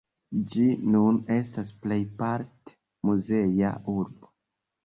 Ĝi nun estas plejparte muzea urbo.